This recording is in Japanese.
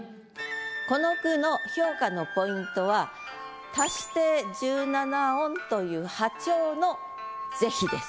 この句の評価のポイントは足して１７音という破調の是非です。